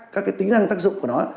các tính năng tác dụng của nó